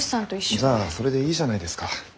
じゃあそれでいいじゃないですか。